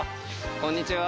こんにちは。